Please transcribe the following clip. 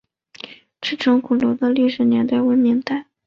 赤城鼓楼的历史年代为明代。